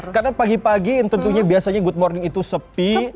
karena pagi pagi tentunya biasanya good morning itu sepi